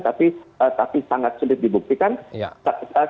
tapi sangat sulit dibuktikan